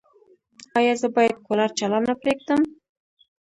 ایا زه باید کولر چالانه پریږدم؟